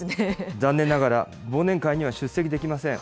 残念ながら忘年会には出席できません。